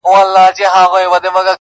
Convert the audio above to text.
لس کلونه، سل کلونه، ډېر عمرونه!!